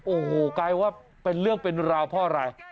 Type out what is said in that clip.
โอ้โหกลายว่าเป็นเรื่องเป็นราวเพราะอะไร